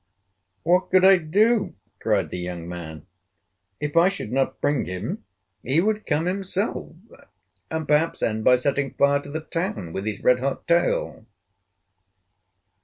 "What could I do?" cried the young man. "If I should not bring him he would come himself and, perhaps, end by setting fire to the town with his red hot tail."